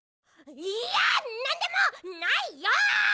いやなんでもないよ！